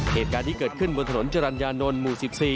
เหตุการณ์ที่เกิดขึ้นบนถนนจรรยานนท์หมู่๑๔